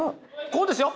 こうですよ！